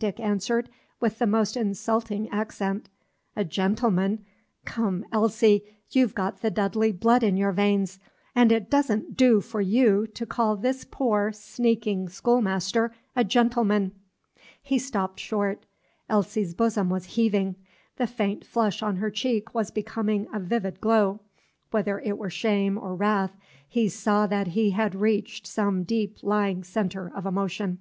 Dick answered, with the most insulting accent, "a gentleman! Come, Elsie, you 've got the Dudley blood in your veins, and it does n't do for you to call this poor, sneaking schoolmaster a gentleman!" He stopped short. Elsie's bosom was heaving, the faint flush on her cheek was becoming a vivid glow. Whether it were shame or wrath, he saw that he had reached some deep lying centre of emotion.